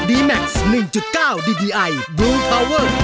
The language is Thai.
สวัสดีค่ะ